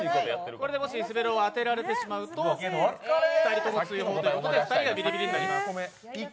これでもし滑狼を当てられてしまうと２人とも追放ということで、２人ともビリビリになります。